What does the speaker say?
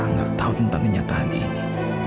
gak tau tentang kenyataan ini